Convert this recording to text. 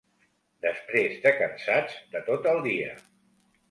Després de cansats de tot el dia